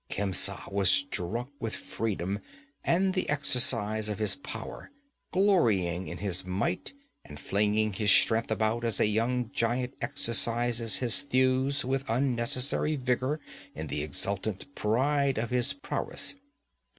Khemsa was drunk with freedom and the exercise of his power, glorying in his might and flinging his strength about as a young giant exercises his thews with unnecessary vigor in the exultant pride of his prowess.